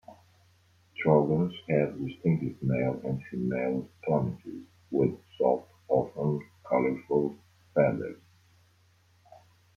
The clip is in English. Trogons have distinctive male and female plumages, with soft, often colourful, feathers.